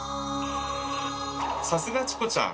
さすがチコちゃん！